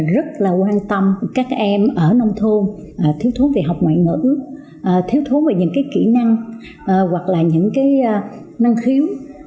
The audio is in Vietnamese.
rất là quan tâm các em ở nông thôn thiếu thuốc về học ngoại ngữ thiếu thú về những kỹ năng hoặc là những năng khiếu